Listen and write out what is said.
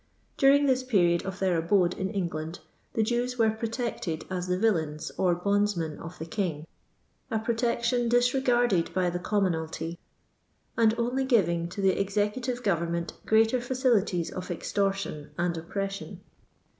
During this period of their abode in EngUind, the Jews were protected as the villeini or bondsmen of the king, a protection disre garded by the commonalty, and only giving to the executive government greater fiidlities of extortion and oppression.